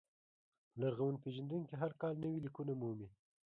لرغون پېژندونکي هر کال نوي لیکونه مومي.